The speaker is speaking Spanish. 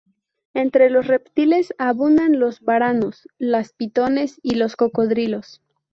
Entre los reptiles abundan los varanos, las pitones y los cocodrilos.